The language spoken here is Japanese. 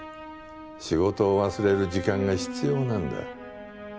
仕事を忘れる時間が必要なんだ。